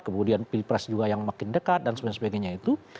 kemudian pilpres juga yang makin dekat dan sebagainya itu